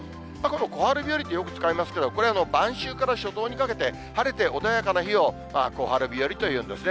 小春日和ってよく使いますけれども、これは晩秋から初冬にかけて晴れて穏やかな日を小春日和というんですね。